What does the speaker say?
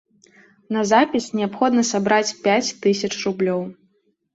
На запіс неабходна сабраць пяць тысяч рублёў.